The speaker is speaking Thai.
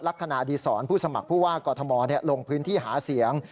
คดีศรผู้สมัครผู้ว่ากอทมลงพื้นที่หาเสียง